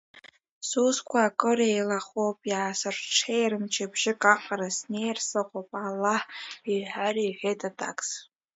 Сусқәа акыр еилахоуп, иаасырҽеир мчыбжьык аҟара снеира сыҟоуп, Аллаҳ иҳәар, — иҳәеит аҭакс.